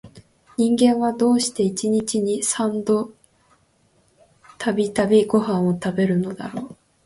人間は、どうして一日に三度々々ごはんを食べるのだろう